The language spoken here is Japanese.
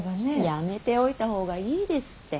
やめておいた方がいいですって。